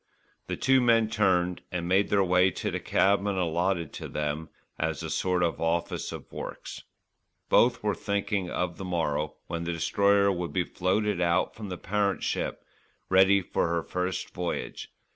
The two men turned and made their way to the cabin allotted to them as a sort of office of works. Both were thinking of the morrow when the Destroyer would be floated out from the parent ship ready for her first voyage.